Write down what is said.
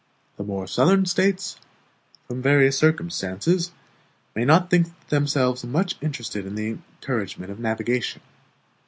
The more Southern States, from various circumstances, may not think themselves much interested in the encouragement of navigation.